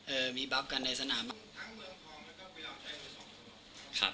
เอ่อมีบั๊บกันในสนามทั้งเมืองทองแล้วก็เวลาใช้หนึ่งสองครับครับ